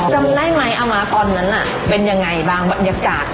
จำได้ไหมเอามาตอนนั้นเป็นยังไงบ้างบรรยากาศ